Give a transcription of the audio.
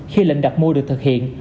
khi lệnh đặt mua được thực hiện